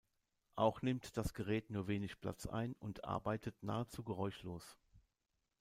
Auch nimmt das Gerät nur wenig Platz ein und arbeitet nahezu geräuschlos.